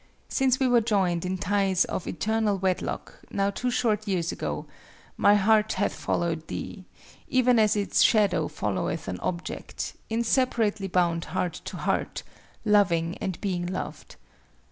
Since we were joined in ties of eternal wedlock, now two short years ago, my heart hath followed thee, even as its shadow followeth an object, inseparably bound heart to heart, loving and being loved.